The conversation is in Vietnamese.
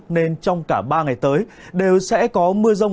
nên trong cả ba ngày tới đều sẽ có mưa rông